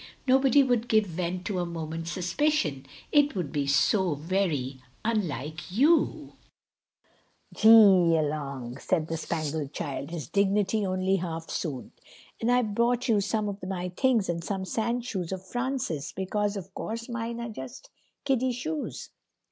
Nobody would give vent to a moment's suspicion. It would be so very unlike you." "G'a long—" said the Spangled Child, his dignity only half soothed. "And I've brought you some of my things and some sandshoes of France's, because, of course, mine are just kiddy shoes."